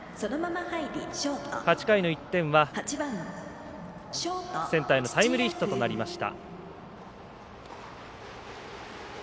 ８回の１点は、センターへのタイムリーヒットとなりました。